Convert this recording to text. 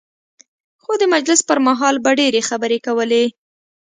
خو د مجلس پر مهال به ډېرې خبرې کولې.